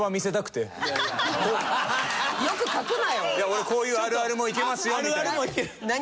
俺こういうあるあるもいけますよみたいな。